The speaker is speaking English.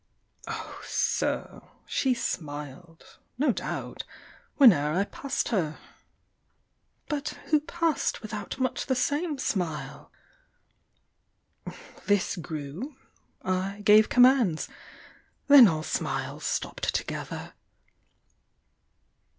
Oh sir, she smiled, no doubt, Whene'er I passed her; but who passed without Much the same smile? This grew; I gave commands; Then all smiles stopped together.